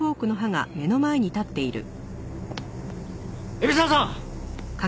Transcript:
海老沢さん！